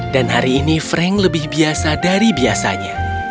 dan hari ini frank lebih biasa dari biasanya